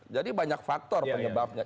jadi banyak faktor penyebabnya